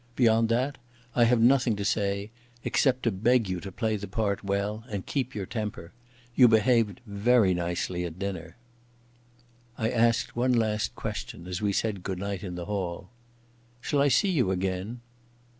Beyond that I have nothing to say, except to beg you to play the part well and keep your temper. You behaved very nicely at dinner." I asked one last question as we said good night in the hall. "Shall I see you again?"